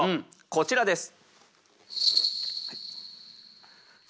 こちらです。